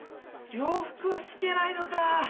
洋服は透けないのか。